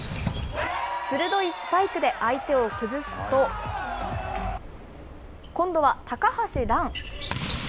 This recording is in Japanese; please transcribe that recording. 鋭いスパイクで相手を崩すと、今度は高橋藍。